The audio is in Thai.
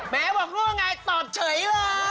แม้บอกว่าง่ายตอบเฉยเลย